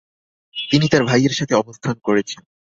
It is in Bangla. তিনি তার ভাইয়ের সাথে অবস্থান করেছেন।